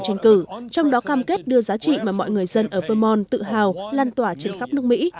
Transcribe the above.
tranh cử trong đó cam kết đưa giá trị mà mọi người dân ở vermont tự hào lan tỏa trên khắp nước mỹ